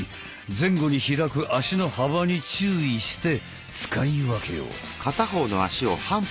前後に開く足の幅に注意して使い分けよう！